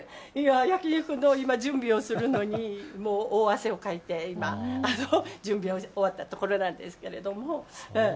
焼き肉の今、準備をするのに、もう大汗をかいて、今、準備終わったところなんですけれども。